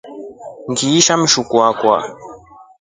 Nashaa Mjukuu akwa.